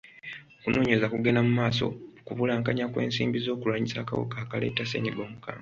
Okunoonyereza kugenda mu maaso ku kubulankanya kw'ensimbi z'okulwanyisa akawuka akaleeta ssenyiga omukambwe.